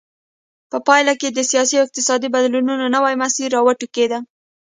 په پایله کې د سیاسي او اقتصادي بدلونونو نوی مسیر را وټوکېد.